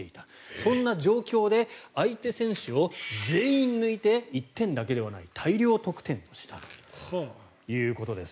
そんな状況で相手選手を全員抜いて１点だけではなく大量得点をしたということです。